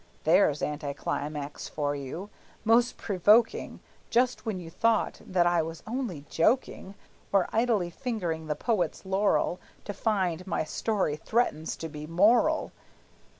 (There's anticlimax for you! Most provoking, Just when you thought that I was only joking, Or idly fingering the poet's laurel, To find my story threatens to be moral!